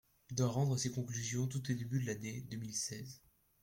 Il doit rendre ses conclusions tout au début de l’année deux mille seize.